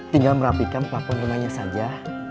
tinggal merapikan platform rumahnya saja